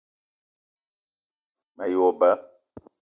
Me ye wo ba